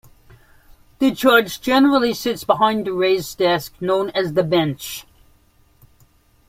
The judge generally sits behind a raised desk, known as the bench.